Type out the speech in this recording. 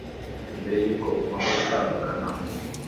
mbere yuko ugomba gutandukana